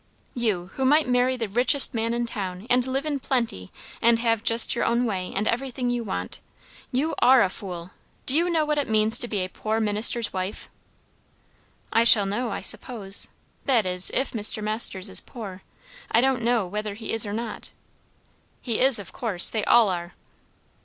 "You, who might marry the richest man in town! And live in plenty, and have just your own way, and everything you want! You are a fool I Do you know what it means to be a poor minister's wife?" "I shall know, I suppose. That is, if Mr. Masters is poor. I don't know whether he is or not." "He is of course! They all are."